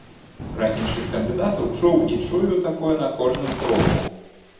Пра іншых кандыдатаў чуў і чую такое на кожным кроку.